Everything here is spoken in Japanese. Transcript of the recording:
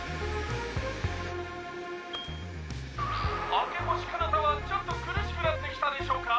「明星かなたはちょっと苦しくなってきたでしょうか？」